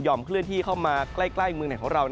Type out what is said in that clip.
เคลื่อนที่เข้ามาใกล้เมืองไหนของเรา